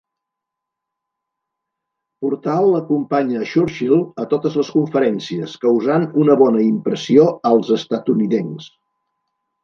Portal acompanya a Churchill a totes les conferències, causant una bona impressió als estatunidencs.